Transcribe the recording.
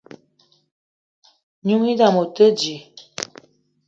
N'noung i dame o te dji.